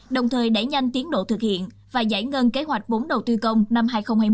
đồng thời đẩy nhanh tiến độ thực hiện và giải ngân kế hoạch vốn đầu tư công năm hai nghìn hai mươi